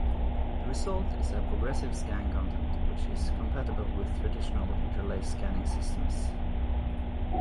The result is a progressive-scan content, which is compatible with traditional interlaced scanning systems.